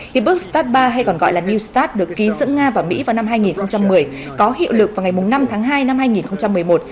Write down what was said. hiệp ước stat ba hay còn gọi là new start được ký giữa nga và mỹ vào năm hai nghìn một mươi có hiệu lực vào ngày năm tháng hai năm hai nghìn một mươi một